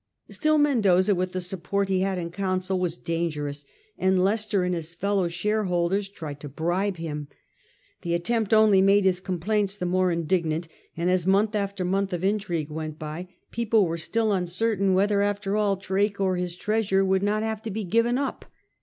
Still Mendoza, with the support he had in Council, was dangerous, and Leicester and his fellow share holders tried to bribe him. The attempt only made his complaints the more indignant, and as month after month of intrigue went by, people were still uncertain 92 SIR FRANCIS DRAKE chap. whether, after all, Drake or his treasure would not have to be given up.